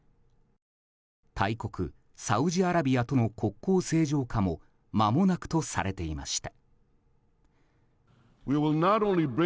大国サウジアラビアとの国交正常化もまもなくとされていました。